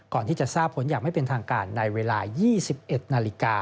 ก่อนที่จะทราบผลอย่างไม่เป็นทางการในเวลา๒๑นาฬิกา